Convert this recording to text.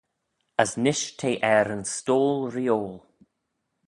As nish t'eh er yn stoyl-reeoil.